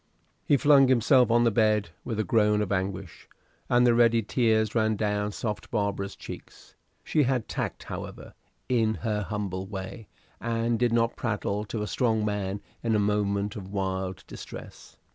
He flung himself on the bed with a groan of anguish, and the ready tears ran down soft Barbara's cheeks. She had tact, however, in her humble way, and did not prattle to a strong man in a moment of wild distress.